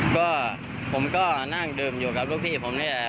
ก็ผมก็นั่งดื่มอยู่กับลูกพี่ผมนี่แหละ